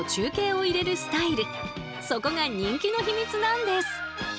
そこが人気の秘密なんです！